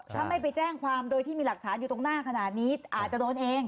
ถ้าไม่ไปแจ้งความโดยที่มีหลักฐานอยู่ตรงหน้าขนาดนี้อาจจะโดนเอง